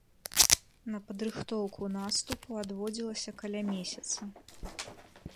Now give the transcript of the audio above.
На падрыхтоўку наступу адводзілася каля месяца.